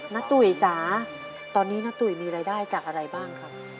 ตุ๋ยจ๋าตอนนี้ณตุ๋ยมีรายได้จากอะไรบ้างครับ